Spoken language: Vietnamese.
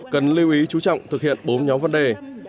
cần lưu ý chú trọng thực hiện bốn nhóm vấn đề